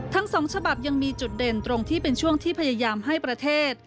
ทั้งสองฉบับยังมีจุดเด่นตรงที่เป็นช่วงที่พยายามให้ประเทศ